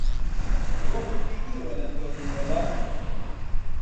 تۆمت بینیوە لەم دەوروبەرە؟